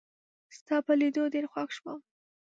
ستا په لیدو ډېر خوښ شوم